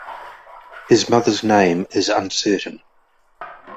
His mother's name is uncertain.